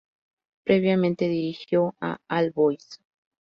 Previamente, dirigió a All Boys.